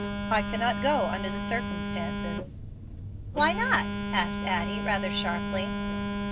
"I cannot go under the circumstances." "Why not?" asked Addie, rather sharply.